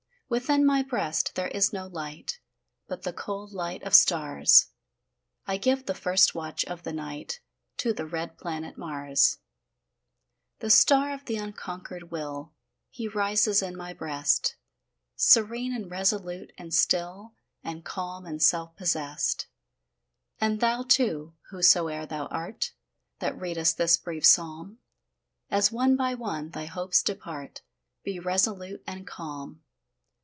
Within my breast there is no light, But the cold light of stars; I give the first watch of the night To the red planet Mars. The star of the unconquered will, He rises in my breast, Serene, and resolute, and still, And calm, and self possessed. And thou, too, whosoe'er thou art, That readest this brief psalm, As one by one thy hopes depart, Be resolute and calm.